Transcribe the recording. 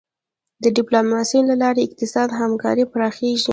د ډیپلوماسی له لارې اقتصادي همکاري پراخیږي.